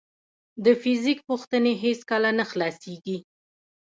د فزیک پوښتنې هیڅکله نه خلاصېږي.